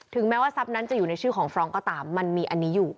แม้ว่าทรัพย์นั้นจะอยู่ในชื่อของฟรองก์ก็ตามมันมีอันนี้อยู่